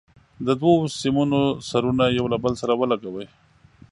د دوو سیمونو سرونه یو له بل سره ولګوئ.